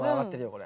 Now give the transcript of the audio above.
これ。